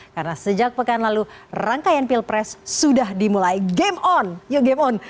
karena sejak pekan lalu rangkaian pilpres sudah dimulai game on